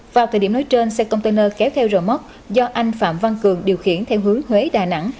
vào thời điểm nối trên xe container kéo theo rời mất do anh phạm văn cường điều khiển theo hướng huế đà nẵng